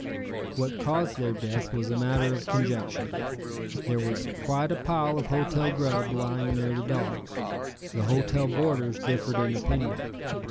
What caused their death was a matter of conjecture. There was quite a pile of hotel grub laying near the dogs. The hotel boarders differed in opinion.